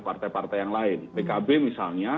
partai partai yang lain pkb misalnya